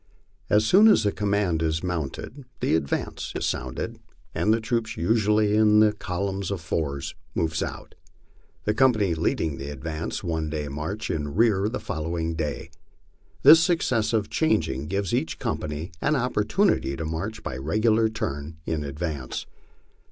As soon as the command is mounted the " Advance " is sounded, and the troops, usually in " column of fours," move out. The company leading the ad v.ance one day march in rear the following day. This successive changing gives each company an opportunity to march by regular turn in advance.